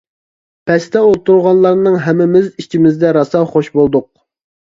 پەستە ئولتۇرغانلارنىڭ ھەممىمىز ئىچىمىزدە راسا خوش بولدۇق.